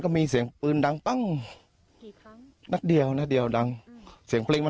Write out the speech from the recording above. กลับผมก็นั่งเล่นกีตาร์ของผมไป